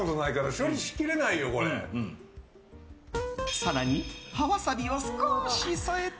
更に葉ワサビを少し添えて。